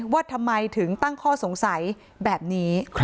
ว่าทำไมถึงตั้งข้อสงสัยแบบนี้